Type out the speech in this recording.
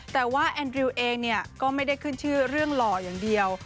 แต่ว่าแอนดริวเองเนี่ยก็ไม่ได้ขึ้นชื่อเรื่องหล่ออย่างเดียว